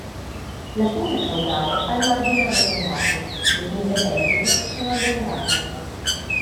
La pinna caudale ha il margine arrotondato, le pinne pelviche sono allungate.